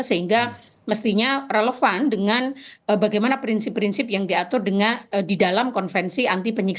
sehingga mestinya relevan dengan bagaimana prinsip prinsip yang diatur dengan hak progmen sekolah hanya riakan hak perangdara